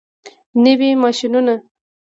نوي ماشینونه.